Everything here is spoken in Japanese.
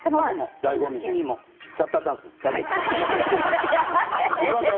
シャッターチャンスですよ